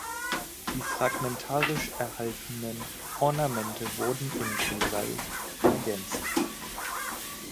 Die fragmentarisch erhaltenen Ornamente wurden in Grisaille ergänzt.